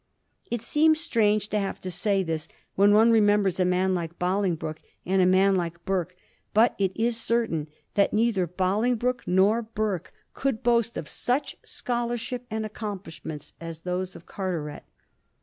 It seems strange to have to say this when one remembers a man like Bolingbroke and a man like Burke ; but it is certain that neither Boling broke nor Burke could boast of such scholarship and accomplishments as those of Carteret.